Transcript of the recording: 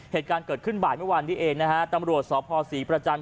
เหตุการณ์เกิดขึ้นบ่ายเมื่อวานนี้เองนะฮะตำรวจสพศรีประจันท